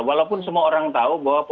walaupun semua orang tahu bahwa